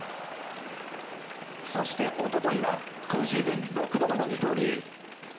そして一昨日は今シーズン６度目の二刀流。